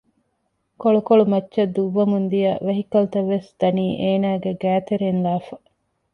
ކޮޅުކޮޅު މައްޗަށް ދުއްވަމުންދިޔަ ވެހިކަލްތައްވެސް ދަނީ އޭނާގެ ގައިތެރެއިން ލާފަ